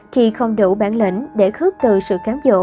khi không đủ bản lĩnh để khước từ sự cám dậu